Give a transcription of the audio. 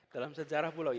dalam sejarah pulau ini